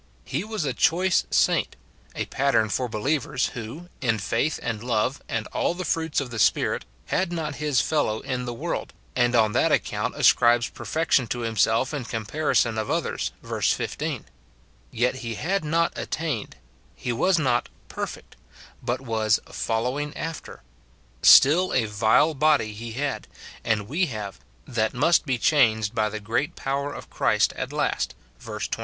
lie was a choice saint, a pattern for believers, who, in faith and love, and all the fruits of the Spirit, had not his fellow in the world, and on that account ascribes perfection to himself in comparison of others, verse 15; yet he had not " attained," he was not "perfect," but was "following after:" still a vile body he had, and we have, that must be changed by the great power of Christ at last, verse 21.